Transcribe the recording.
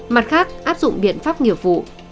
mặt khác áp dụng biện pháp nghiệp vụ